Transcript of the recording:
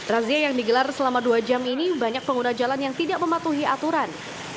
razia yang digelar selama dua jam ini banyak pengguna jalan yang tidak mematuhi aturan